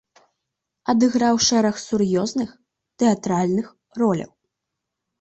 Адыграў шэраг сур'ёзных тэатральных роляў.